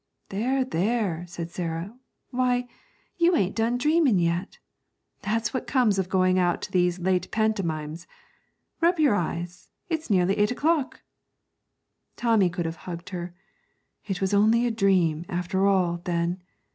'There, there!' said Sarah; 'why, you ain't done dreaming yet. That's what comes of going out to these late pantomimes. Rub your eyes; it's nearly eight o'clock.' Tommy could have hugged her. It was only a dream after all, then.